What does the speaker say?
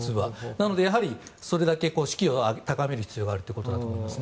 なので、それだけ士気を高める必要があるということだと思います。